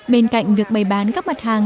bên cạnh việc bày bán các mặt hàng